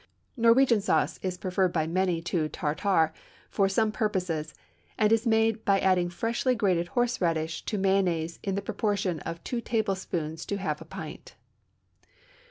Norwegian sauce is preferred by many to Tartare for some purposes, and is made by adding freshly grated horseradish to mayonnaise in the proportion of two tablespoonfuls to half a pint.